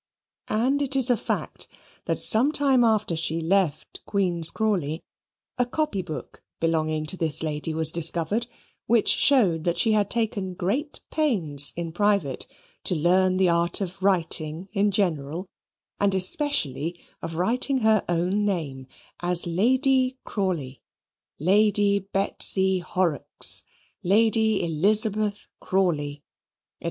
And it is a fact, that some time after she left Queen's Crawley a copy book belonging to this lady was discovered, which showed that she had taken great pains in private to learn the art of writing in general, and especially of writing her own name as Lady Crawley, Lady Betsy Horrocks, Lady Elizabeth Crawley, &c.